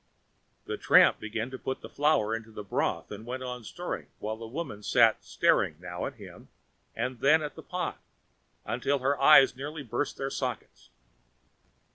The tramp began putting the flour into the broth, and went on stirring, while the woman sat staring now at him and then at the pot until her eyes nearly burst their sockets.